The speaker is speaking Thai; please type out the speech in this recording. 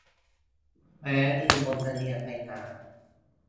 แม้ลืมลงทะเบียนไปนาน